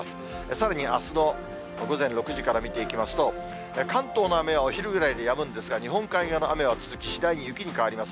さらにあすの午前６時から見ていきますと、関東の雨はお昼ぐらいでやむんですが、日本海側の雨は続き、次第に雪に変わります。